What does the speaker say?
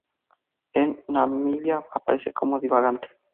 En Namibia aparece como divagante.